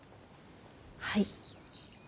はい。